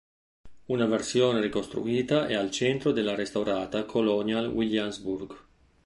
Una versione ricostruita è al centro della restaurata Colonial Williamsburg.